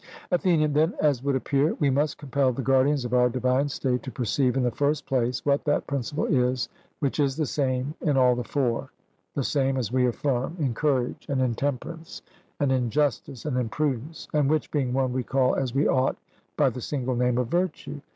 ATHENIAN: Then, as would appear, we must compel the guardians of our divine state to perceive, in the first place, what that principle is which is the same in all the four the same, as we affirm, in courage and in temperance, and in justice and in prudence, and which, being one, we call as we ought, by the single name of virtue.